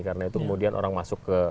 karena itu kemudian orang masuk ke